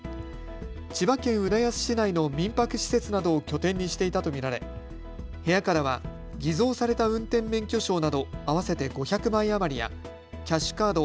千葉県浦安市内の民泊施設などを拠点にしていたと見られ部屋からは偽造された運転免許証など合わせて５００枚余りやキャッシュカード